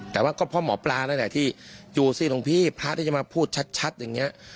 แต่พอหมอปรานั่นแหละที่ยู้ซีลงพี่พระที่จะมาพูดชัดอย่างนี้